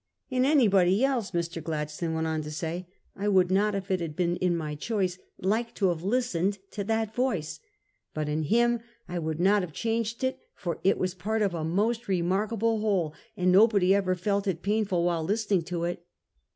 ' In anybody else,' Mr. Gladstone went on to say, ' I would not, if it had been in my choice, like to have listened to that voice ; but in him I would not have changed it, for it was part of a most remarkable whole, and nobody ever felt it painful while listening to it.